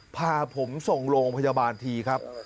พาผมส่งโรงพยาบาลทีครับ